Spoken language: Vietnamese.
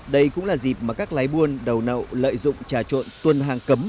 đây cũng là dịp mà các lái buôn đầu nậu lợi dụng trà trộn tuần hàng cấm